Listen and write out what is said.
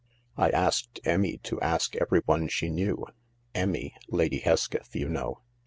" I asked Emmie to ask everyone she knew— Emmie— Lady Hesketh, you know."